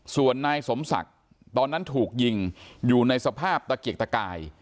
ส่วนนายสมศักดิ์ตอนนั้นถูกยิงอยู่ในสภาพตะเกียกตะกาย